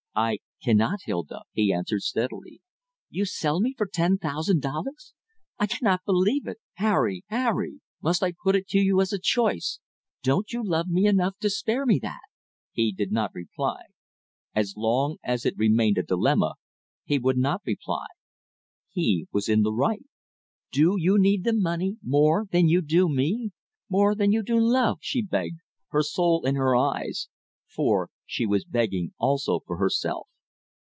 "I cannot, Hilda," he answered steadily. "You sell me for ten thousand dollars! I cannot believe it! Harry! Harry! Must I put it to you as a choice? Don't you love me enough to spare me that?" He did not reply. As long as it remained a dilemma, he would not reply. He was in the right. "Do you need the money more than you do me? more than you do love?" she begged, her soul in her eyes; for she was begging also for herself.